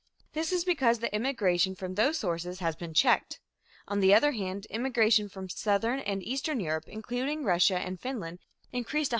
This is because the immigration from those sources has been checked. On the other hand, immigration from Southern and Eastern Europe, including Russia and Finland, increased 175.